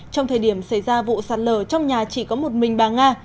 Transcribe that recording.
trong thời điểm xảy ra vụ sạt lở trong nhà chỉ có một mình bà nga